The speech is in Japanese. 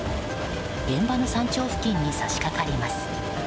現場の山頂付近に差し掛かります。